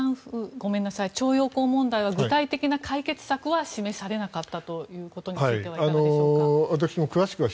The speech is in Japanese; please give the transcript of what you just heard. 徴用工問題は具体的な解決策は示されなかったということについてはいかがでしょうか。